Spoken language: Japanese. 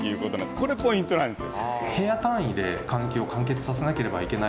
これポイントなんですよ。